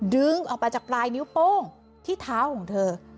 ดึงออกมาจากปลายนิ้วโป้งที่เท้าของเธอ